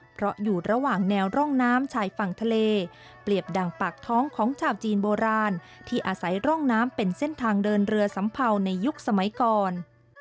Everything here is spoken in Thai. เพราะอยู่ระหว่างแนวร่องน้ำชายฝั่งทะเลเปรียบดังปากท้องของชาวจีนโบราณที่อาศัยร่องน้ำเป็นเส้นทางเดินเรือสำเภาในยุคสมัยก่อน